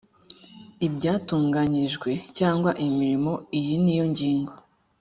ibyatunganyijwe cyangwa imirimo iyi n iyi ngingo